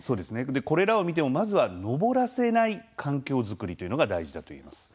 これらを見てもまずは、のぼらせない環境づくりというのが大事だと言えます。